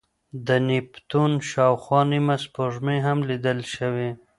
د نیپتون شاوخوا نیمه سپوږمۍ هم لیدل شوې.